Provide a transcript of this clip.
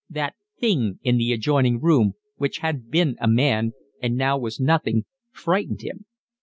That thing in the adjoining room, which had been a man and now was nothing, frightened him.